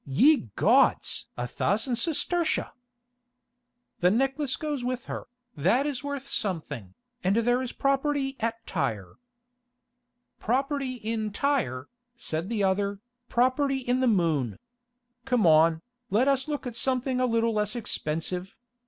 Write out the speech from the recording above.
Ye gods! a thousand sestertia!" "The necklace goes with her, that is worth something, and there is property at Tyre." "Property in Tyre," said the other, "property in the moon. Come on, let us look at something a little less expensive.